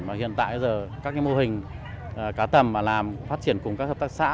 và hiện tại giờ các mô hình cá tầm mà làm phát triển cùng các hợp tác xã